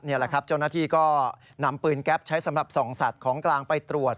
นี่แหละครับเจ้าหน้าที่ก็นำปืนแก๊ปใช้สำหรับส่องสัตว์ของกลางไปตรวจ